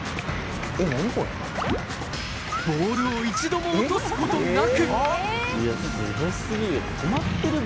ボールを一度も落とすことなく何してんの？